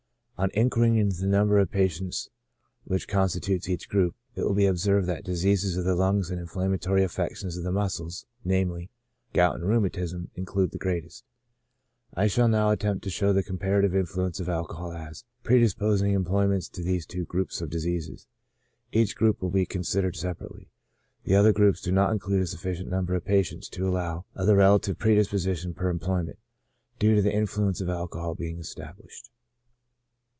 On inquiring into the number of patients which consti tute each group, it will be observed that diseases of the lungs and inflammatory affections of the muscles — viz., gout and rheumatism — include the greatest. I shall now attempt to show the comparative influence of alcohol as predisposing employments to these two groups of diseases ; each group will be considered separately. The other groups do not include a sufficient number of patients to allow of the relative predisposition per employment, due to the in fluence of alcohol, being established.